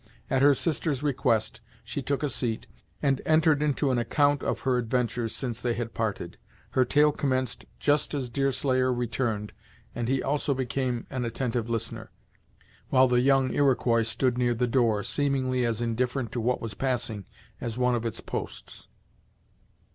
At her sister's request she took a seat, and entered into an account of her adventures since they had parted. Her tale commenced just as Deerslayer returned, and he also became an attentive listener, while the young Iroquois stood near the door, seemingly as indifferent to what was passing as one of its posts.